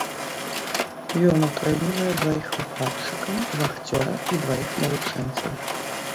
Ён утрымлівае дваіх выкладчыкаў, вахцёра і дваіх навучэнцаў.